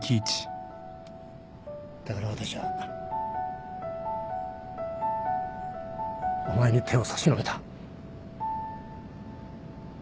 だから私はお前に手を差し伸べた。